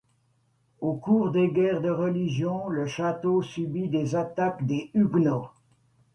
Au cours des guerres de Religion, le château subit les attaques des huguenots.